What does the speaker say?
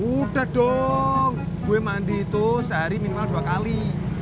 udah dong gue mandi itu sehari minimal dua kali